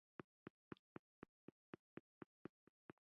سیاسي واک په پوره توګه متمرکز شوی و.